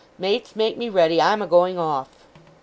Mates, make me ready! I'm a going off!